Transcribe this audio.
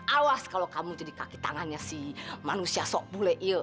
awas kalau kamu jadi kaki tangannya si manusia sok bule